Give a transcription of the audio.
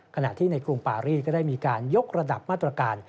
ขณะที่ในกรุงปารีก็ได้มีการยกระดับมาตรการ